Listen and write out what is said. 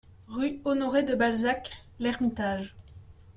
rue Honoré de Balzac, L'Hermitage